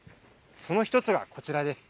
その１つがこちらです。